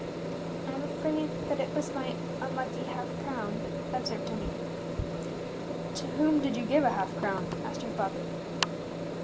"I'm afraid that it was my unlucky half crown," observed Emmie. "To whom did you give a half crown?" asked her father.